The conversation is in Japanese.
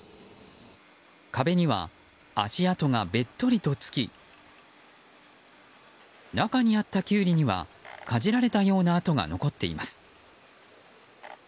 壁には足跡がべっとりとつき中にあったキュウリにはかじられたような跡が残っています。